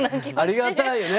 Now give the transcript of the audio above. ありがたいよね。